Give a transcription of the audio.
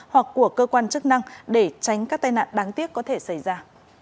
hoặc của cơ quan chức năng để tránh các tai nạn đáng tiếc có thể xảy ra